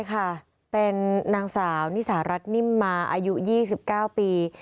เป็นนางสาวนิสารัฐนิ่มมาอายุ๒๙ปี